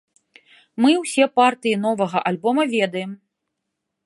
Мы ўсе партыі новага альбома ведаем.